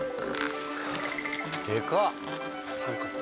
でかっ！